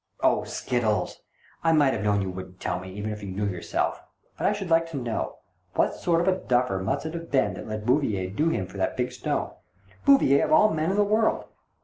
"Oh, skittles! I might have known you wouldn't tell me, even if you knew yourself. But I should like to know. What sort of a duffer must it have been that let Bouvier do him for that big stone — Bouvier of all men in the world